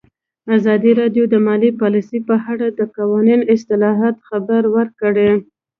ازادي راډیو د مالي پالیسي په اړه د قانوني اصلاحاتو خبر ورکړی.